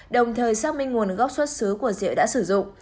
đồng thời xác minh nguồn gốc xuất xứ của rượu đã sử dụng